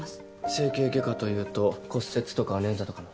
整形外科というと骨折とか捻挫とかの。